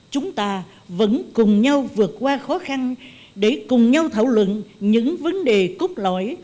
chúng ta vẫn cùng nhau vượt qua khó khăn để cùng nhau thảo luận những vấn đề cốt lõi